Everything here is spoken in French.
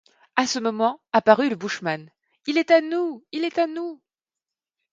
À ce moment apparut le bushman. « Il est à nous! il est à nous !